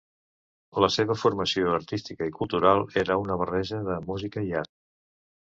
La seva formació artística i cultural era una barreja de música i art.